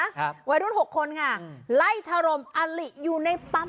วัยรุ่นหกคนค่ะไล่ถรมอลิอยู่ในปั๊ม